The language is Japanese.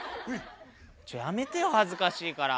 ちょっやめてよ恥ずかしいから。